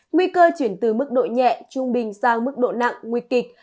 nguy cơ chuyển từ mức độ nhẹ trung bình sang mức độ nặng nguy kịch